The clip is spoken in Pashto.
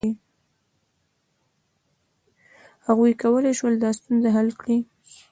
هغوی کولای شول دا ستونزه حل کړي.